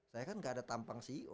saya kan gak ada tampang ceo gitu kan